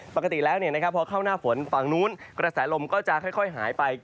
ปกติแล้วพอเข้าหน้าฝนฝั่งนู้นกระแสลมก็จะค่อยหายไป